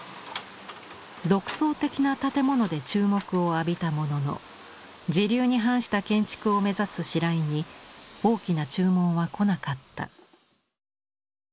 独創的な建物で注目を浴びたものの時流に反した建築を目指す白井に大きな注文は来なかった。